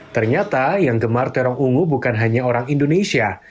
ternyata yang gemar terong ungu bukan hanya orang indonesia